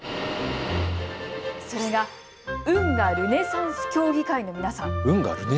それが、運河ルネサンス協議会の皆さん。